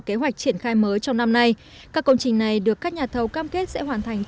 kế hoạch triển khai mới trong năm nay các công trình này được các nhà thầu cam kết sẽ hoàn thành